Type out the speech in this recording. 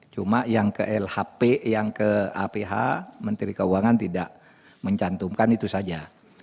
cuma yang ke lhp yang ke aph menteri keuangan tidak mencantumkan itu saja